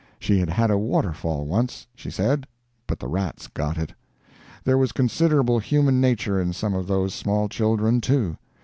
She had had a waterfall once, she said, but the rats got it. There was considerable human nature in some of those small children, too.